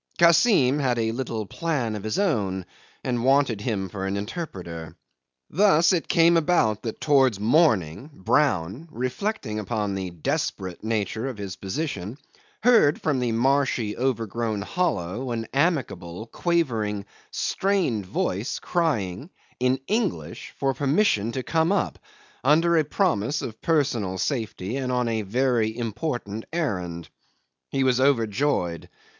Kassim had a little plan of his own and wanted him for an interpreter. Thus it came about that towards morning Brown, reflecting upon the desperate nature of his position, heard from the marshy overgrown hollow an amicable, quavering, strained voice crying in English for permission to come up, under a promise of personal safety and on a very important errand. He was overjoyed.